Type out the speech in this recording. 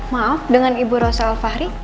maaf dengan ibu rosa alfahri